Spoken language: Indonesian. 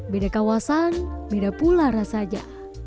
beda kawasan beda pula rasanya